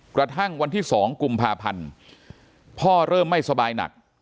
กระทั่งวันที่๒กุมภาพันธ์พ่อเริ่มไม่สบายหนัก